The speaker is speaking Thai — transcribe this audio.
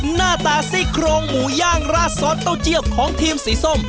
หน้าตาซี่โครงหมูย่างราดซอสเต้าเจียวของทีมสีส้ม